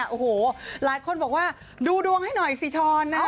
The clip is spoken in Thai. โอ้โหหลายคนบอกว่าดูดวงให้หน่อยสิช้อนนะ